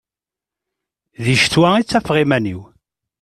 Di ccetwa i ttafeɣ iman-iw.